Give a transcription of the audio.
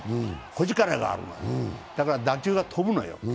小力がある、だから打球が飛ぶのよ